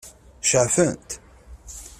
Ceɛfent?